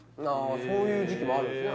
そういう時期もあるんですね。